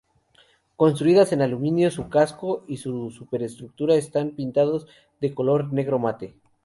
Construidas en aluminio, su casco y superestructura están pintados de color negro mate.